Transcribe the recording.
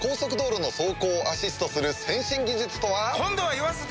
今度は言わせて！